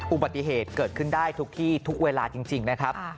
อุบัติเหตุเกิดขึ้นได้ทุกที่ทุกเวลาจริงนะครับ